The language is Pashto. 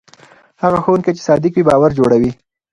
هغه ښوونکی چې صادق وي باور جوړوي.